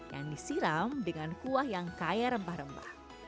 yang disiram dengan kuah yang kaya rempah rempah